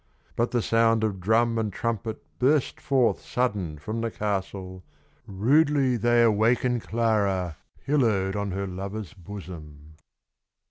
But the sound of drum and trumpet Burst forth sudden from the castle. Rudely they awaken Clara, Pillowed on her lover's bosom.